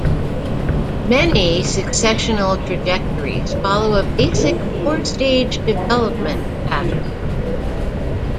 Many successional trajectories follow a basic four-stage development pattern.